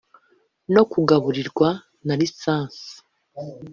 no kugaburirwa na lisansi,